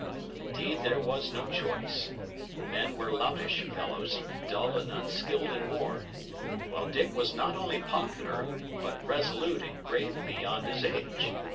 Indeed, there was no choice; the men were loutish fellows, dull and unskilled in war, while Dick was not only popular, but resolute and grave beyond his age.